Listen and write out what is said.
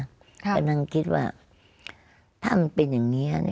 กำลังคิดว่าถ้ามันเป็นอย่างนี้